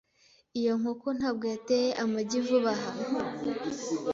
Iyo nkoko ntabwo yateye amagi vuba aha.